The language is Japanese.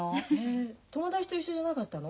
友達と一緒じゃなかったの？